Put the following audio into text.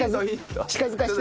近づかせて。